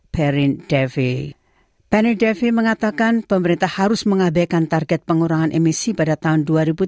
perin davy mengatakan pemerintah harus mengabaikan target pengurangan emisi pada tahun dua ribu tiga puluh lima